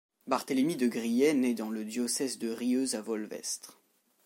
Barthélemy de Griet nait dans le diocèse de Rieux à Volvestre.